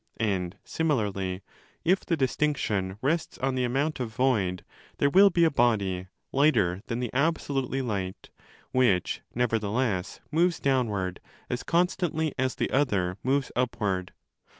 And similarly, if the distinction rests on the amount of void, there will be a body, lighter than the absolutely light, which nevertheless moves downward as constantly as 5 the other moves upward.